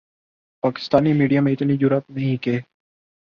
Pakistani media میں اتنی جرآت نہیں کہ